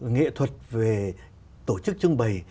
nghệ thuật về tổ chức trưng bày